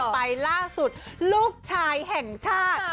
ไปล่าสุดลูกชายแห่งชาติ